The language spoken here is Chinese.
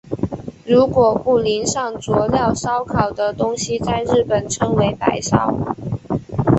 如果不淋上佐料烧烤的东西在日本称为白烧。